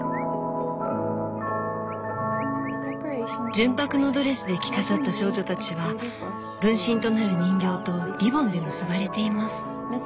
純白のドレスで着飾った少女たちは分身となる人形とリボンで結ばれています。